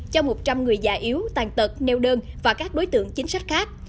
cho một trăm linh người già yếu tàn tật neo đơn và các đối tượng chính sách khác